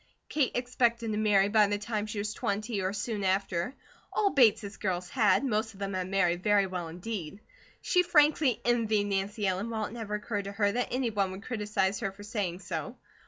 Kate expected to marry by the time she was twenty or soon after; all Bates girls had, most of them had married very well indeed. She frankly envied Nancy Ellen, while it never occurred to her that any one would criticise her for saying so.